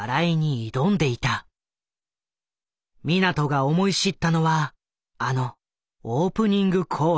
湊が思い知ったのはあのオープニング公演。